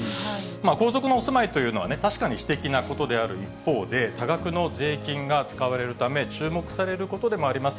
皇族のお住まいというのは、確かに私的なことである一方で、多額の税金が使われるため、注目されることでもあります。